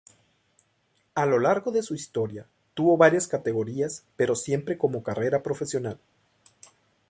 A lo largo de su historia tuvo varias categorías pero siempre como carrera profesional.